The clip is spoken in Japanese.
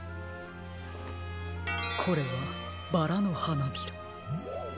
これはバラのはなびら。